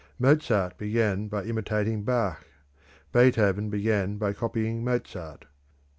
Mozart began by imitating Bach; Beethoven began by copying Mozart.